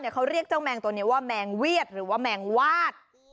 เขาเรียกเจ้าแมงตัวนี้ว่าแมงเวียดหรือว่าแมงวาด